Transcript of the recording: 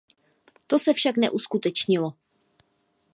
To se však neuskutečnilo.